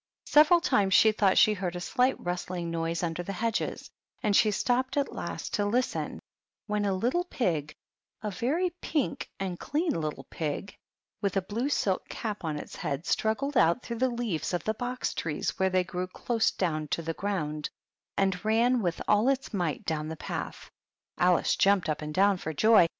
Several times she thought she heard a slight rustling noise under the hedges, and she stopped at last to listen, when a little pig — a, very pink and clean little pig — with a blue silk cap on its head struggled out through the leaves of the box trees where they grew close down to the ground and ran with all its might down the path. Alice jumped up and down for joy.